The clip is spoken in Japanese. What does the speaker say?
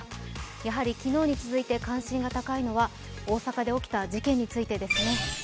やはり、昨日に続いて関心が高いのは大阪で起きた事件についてですね。